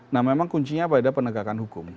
nah memang kuncinya pada penegakan hukum